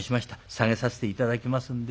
下げさせて頂きますんで」。